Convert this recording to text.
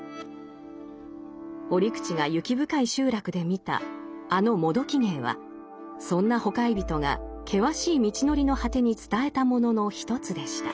折口が雪深い集落で見たあのもどき芸はそんなほかひゞとが険しい道のりの果てに伝えたものの一つでした。